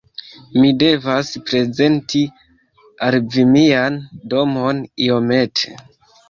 Mi devas prezenti al vi mian domon iomete.